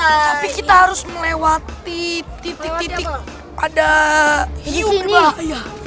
tapi kita harus melewati titik titik ada hiu berbahaya